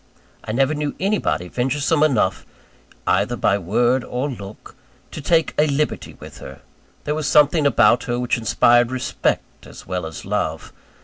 I never knew anybody venturesome enough either by word or look to take a liberty with her. There was something about her which inspired respect as well as love.